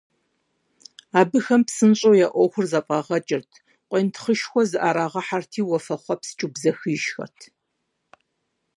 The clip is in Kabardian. Абыхэм псынщӀэу я Ӏуэхур зэфӀагъэкӀырт, къуентхъышхуэ зыӀэрагъэхьэрти, уафэхъуэпскӀыу бзэхыжхэрт.